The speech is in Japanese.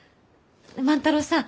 万太郎さん